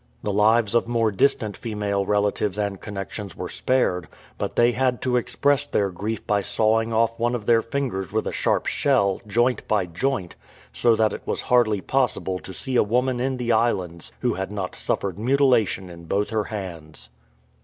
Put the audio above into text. The lives of more distant female relatives and connexions were spared, but they had to express their grief by sawing off one of their fingers with a sharp shell, joint by joint, so that it was hardly possible to see a woman in the islands who had not suffered mutilation in both her hands.